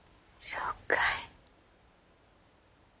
そうかい。